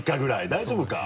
大丈夫か？